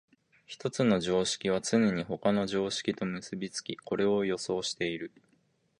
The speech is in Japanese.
一つの常識はつねに他の常識と結び付き、これを予想している。